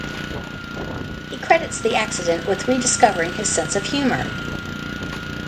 He credits the accident with rediscovering his sense of humour.